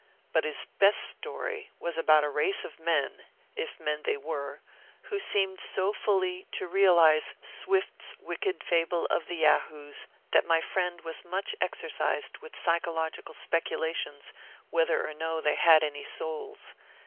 But his best story was about a race of men (if men they were) who seemed so fully to realize Swift's wicked fable of the Yahoos, that my friend was much exercised with psychological speculations whether or no they had any souls.